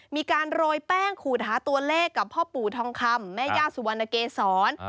มีการโรยแป้งขูดหาตัวเลขกับพ่อปู่ทองคำแม่ย่าสุวรรณเกษร